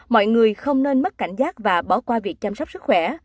mọi người không nên mất cảnh giác và bỏ qua việc chăm sóc sức khỏe